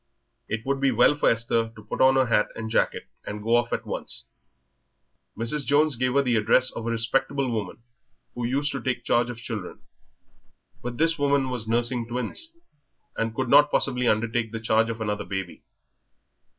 It would be well for Esther to put on her hat and jacket and go off at once. Mrs. Jones gave her the address of a respectable woman who used to take charge of children. But this woman was nursing twins, and could not possibly undertake the charge of another baby.